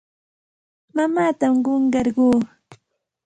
Mamaatam qunqarquu.